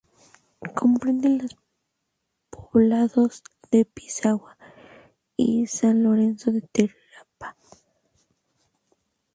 Comprende los poblados de Pisagua y San Lorenzo de Tarapacá.